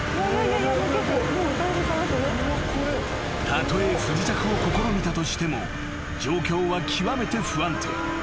［たとえ不時着を試みたとしても状況は極めて不安定］